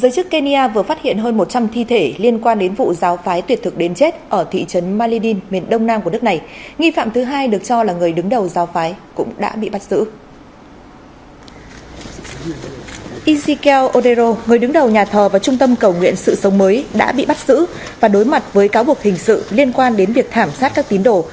các bạn hãy đăng ký kênh để ủng hộ kênh của chúng mình nhé